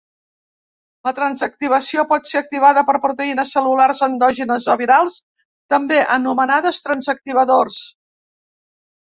La transactivació pot ser activada per proteïnes cel·lulars endògenes o virals, també anomenades transactivadors.